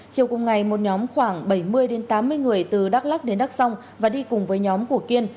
chiều cùng ngày một nhóm khoảng bảy mươi tám mươi người từ đắk lắc đến đắk xong và đi cùng với nhóm của kiên